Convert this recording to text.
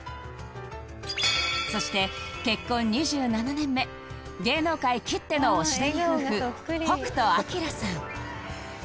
そして結婚２７年目芸能界きってのおしどり夫婦北斗晶さん